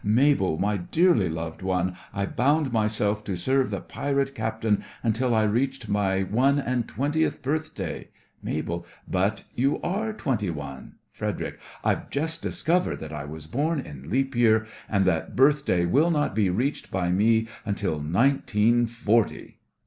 Mabel, my dearly loved one, I bound myself to serve the pirate captain Until I reached my one and twentieth birthday— MABEL: But you are twenty one? FREDERIC: I've just discovered That I was born in leap year, and that birthday Will not be reached by me till nineteen forty!